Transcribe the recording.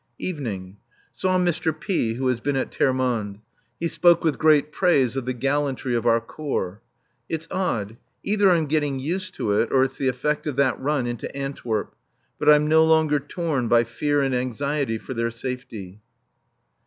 [Evening.] Saw Mr. P., who has been at Termonde. He spoke with great praise of the gallantry of our Corps. It's odd either I'm getting used to it, or it's the effect of that run into Antwerp but I'm no longer torn by fear and anxiety for their safety.